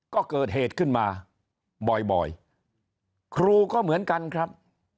ก็เกิดเหตุขึ้นมาบ่อยครูก็เหมือนกันครับ